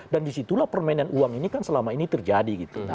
dan disitulah permainan uang ini kan selama ini terjadi